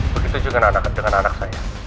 begitu juga dengan anak saya